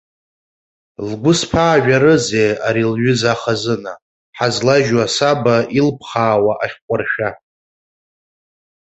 Лгәы зԥаажәарызеи ари лҩыза ахазына, ҳазлажьу асаба илԥхаауа ахьҟәыршәа.